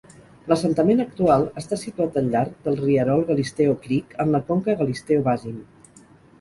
L'assentament actual està situat al llarg del rierol Galisteo Creek en la conca Galisteo Basin.